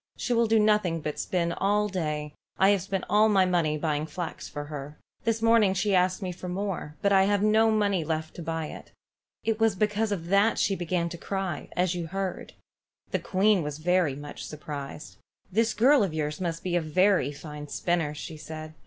She will do nothing but spin all day, and I have spent all my money buying flax for her. This morning she asked me for more, but I have no money left to buy it. It was because of that she began to cry, as you heard." The Queen was very much surprised. "This girl of yours must be a very fine spinner," she said.